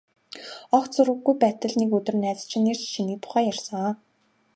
Огт сураггүй байтал нэг өдөр найз чинь ирж, чиний тухай ярьсан.